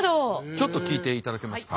ちょっと聞いていただけますか？